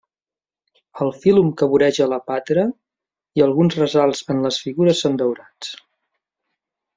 El fílum que voreja la pàtera i alguns ressalts en les figures són daurats.